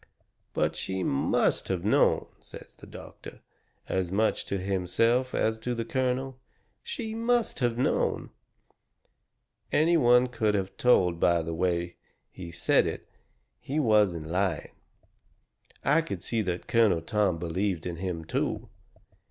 "But she MUST have known," says the doctor, as much to himself as to the colonel. "She MUST have known." Any one could of told by the way he said it that he wasn't lying. I could see that Colonel Tom believed in him, too.